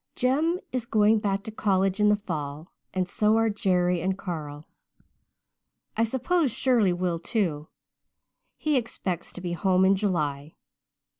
"Jem is going back to college in the fall and so are Jerry and Carl. I suppose Shirley will, too. He expects to be home in July.